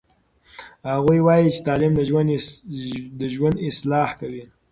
هغوی وایي چې تعلیم د ژوند اصلاح کوي.